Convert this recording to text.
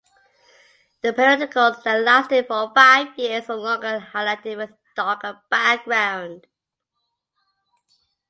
The periodicals that lasted for five years or longer are highlighted with darker background.